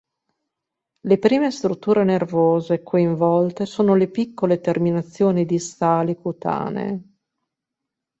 Le prime strutture nervose coinvolte sono le piccole terminazioni distali cutanee.